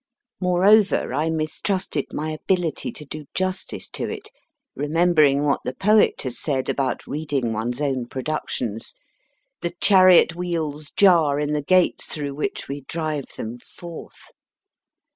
Moreover, I mistrusted my ability to do justice to it, remembering what the poet has said about reading one s own productions : The chariot wheels jar in the gates through which we drive them forth.